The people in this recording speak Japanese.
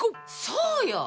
そうよ！